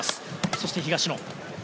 そして、東野。